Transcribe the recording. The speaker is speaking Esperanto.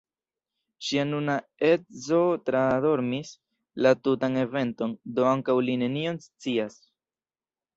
Ŝia nuna edzo tradormis la tutan eventon, do ankaŭ li nenion scias.